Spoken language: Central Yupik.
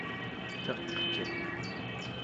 caqciq